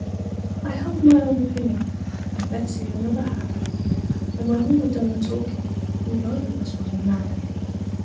I held my own opinion, and Betsey another had; And when we were done a talkin', we both of us was mad.